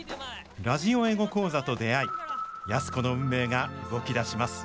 ラジオ英語講座と出会い安子の運命が動き出します